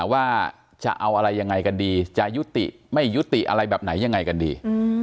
ว่าจะเอาอะไรยังไงกันดีจะยุติไม่ยุติอะไรแบบไหนยังไงกันดี